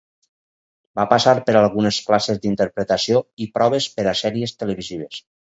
Va passar per algunes classes d'interpretació i proves per a sèries televisives.